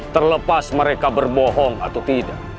terlepas mereka berbohong atau tidak